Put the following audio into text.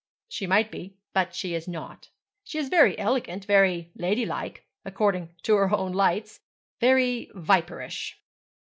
'She might be, but she is not. She is very elegant, very lady like according to her own lights very viperish.'